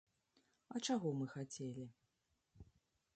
А чаго мы хацелі?